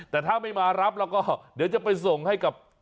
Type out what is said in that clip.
แต่ถ้าไม่มารับแล้วก็เดี๋ยวจะไปส่งให้กับ